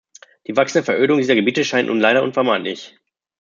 Die wachsende Verödung dieser Gebiete scheint nun leider unvermeidlich.